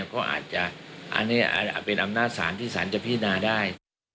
ก็อาจจะเป็นอำนาจสารที่สารจะพิจารณาได้